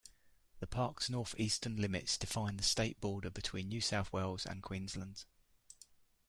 The park's north-eastern limits define the state border between New South Wales and Queensland.